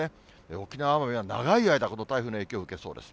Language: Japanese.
沖縄・奄美は長い間、この台風の影響を受けそうです。